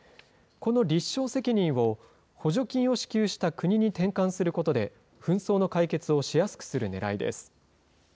この立証責任を、補助金を支給した国に転換することで、紛争の解決をしやすくするねらいです。